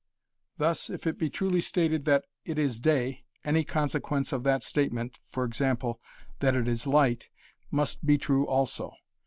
Thus if it be truly stated that it is day, any consequence of that statement, e.g. that it is light, must be true also.